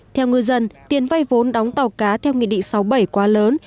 theo ngư dân tiền vay vốn đóng tàu cá theo nghị định sáu mươi bảy quá lớn